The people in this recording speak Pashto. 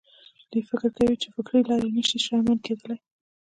دوی فکر کوي چې د فکري لارې نه شي شتمن کېدای.